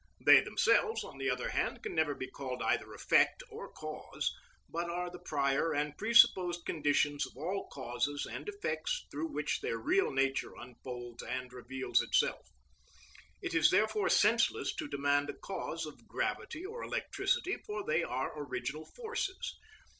They themselves, on the other hand, can never be called either effect or cause, but are the prior and presupposed conditions of all causes and effects through which their real nature unfolds and reveals itself. It is therefore senseless to demand a cause of gravity or electricity, for they are original forces.